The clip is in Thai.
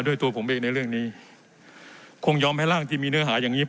ตัวผมเองในเรื่องนี้คงยอมให้ร่างที่มีเนื้อหาอย่างนี้